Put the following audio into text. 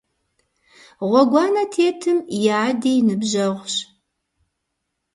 Гъуэгуанэ тетым и ади и ныбжьэгъущ.